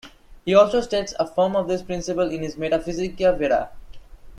He also states a form of this principle in his "Metaphysica vera".